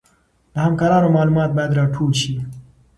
د همکارانو معلومات باید راټول شي.